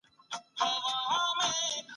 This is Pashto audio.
هیوادونه مرسته ورکوي.